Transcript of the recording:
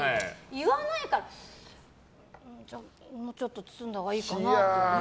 言わないからじゃあもうちょっと包んだほうがいいかなって。